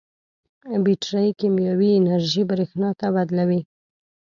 بیټرۍ کیمیاوي انرژي برېښنا ته بدلوي.